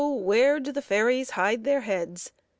WHERE DO FAIRIES HIDE THEIR HEADS